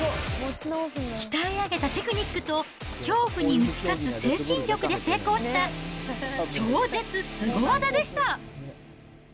鍛え上げたテクニックと、恐怖に打ち勝つ精神力で成功した、超絶すご技でした。